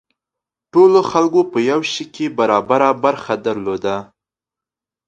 ټولو خلکو په یو شي کې برابره برخه درلوده.